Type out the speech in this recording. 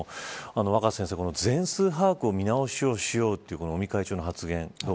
しょうけど全数把握の見直しをしようという尾身会長の発言